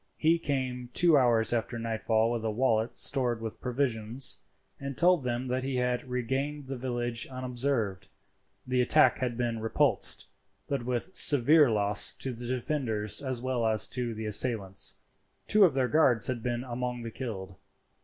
He came two hours after nightfall with a wallet stored with provisions, and told them that he had regained the village unobserved. The attack had been repulsed, but with severe loss to the defenders as well as to the assailants. Two of their guards had been among the killed.